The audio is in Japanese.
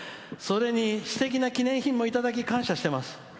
「それにすてきな記念品もいただき感謝しています。